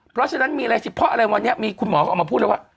เพราะฉะนั้นมีอะไรฉีดเพราะว่าวันนี้มีคุณหมอออกมาพูดแล้วว่า